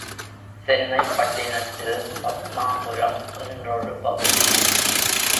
சென்னைப்பட்டினத்தில் பத்மாபுரம் என்றொரு பகுதி.